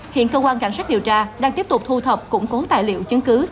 hiện cơ quan cảnh sát điều tra đang tiếp tục thu thập củng cố tài liệu chứng cứ